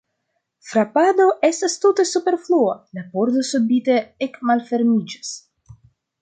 Frapado estas tute superflua, la pordo subite ekmalfermiĝas.